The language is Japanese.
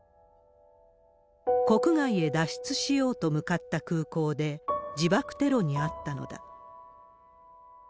国外へ脱出しようと向かった空港で、自爆テロに遭ったのだ。